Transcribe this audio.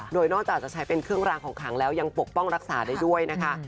โดยนอกจากจะใช้เป็นเครื่องรางของขังแล้วยังปกป้องรักษาได้ด้วยนะคะ